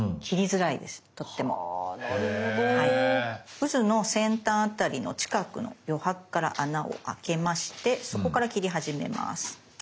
うずの先端辺りの近くの余白から穴をあけましてそこから切り始めます。